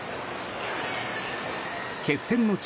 決戦の地